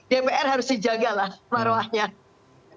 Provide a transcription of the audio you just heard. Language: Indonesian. tetapi sekali lagi dpr harus dijagalah maruahnya